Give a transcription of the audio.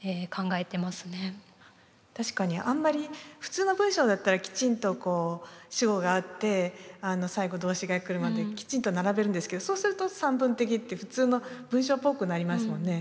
確かにあんまり普通の文章だったらきちんと主語があって最後動詞が来るまできちんと並べるんですけどそうすると散文的って普通の文章っぽくなりますもんね。